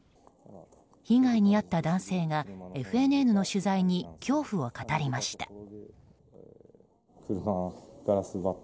被害に遭った男性がＦＮＮの取材に恐怖を語りました。